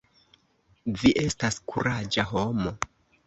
Vi estas kuraĝa homo.